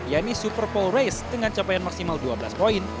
yakni super pole race dengan capaian maksimal dua belas poin